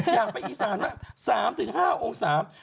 อยากไปอีสานนะ๓๕องศา